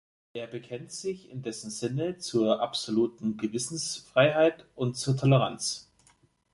Er bekennt sich in dessen Sinne zur absoluten Gewissensfreiheit und zur Toleranz.